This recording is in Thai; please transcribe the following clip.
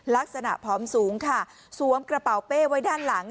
ลักษณะพร้อมสูงค่ะสวมกระเป๋าเป้ไว้ด้านหลัง